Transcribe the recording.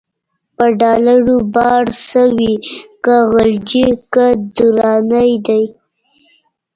په ډالرو باړه شوی، که غلجی که درانی دی